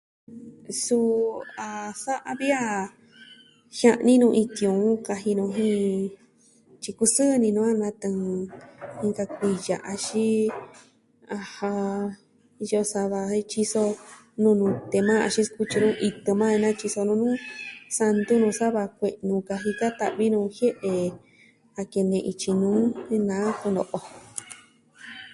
Suu a sa'a vi a jia'ni nu iin tiuun kaji nu jin tyi kusɨɨ ini nu a natɨɨn inka kuiya, axin iyo sava jen tyiso nu nute majan axin sikutyi nuu itɨ majan jen natyiso nu nuu santu nu sa va kue'nu jun ka, jikan ta'vi nuu jie'e je a kene jen ityi nuu jen naa kuno'o jo.